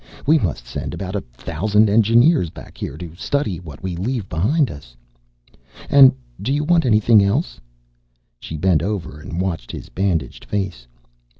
We must send about a thousand engineers back here to study what we leave behind us. "And do you want anything else?" She bent over and watched his bandaged face.